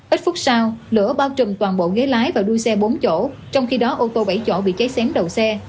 ít phút sau lửa bao trùm toàn bộ ghế lái và đuôi xe bốn chỗ trong khi đó ô tô bảy chỗ bị cháy xém đầu xe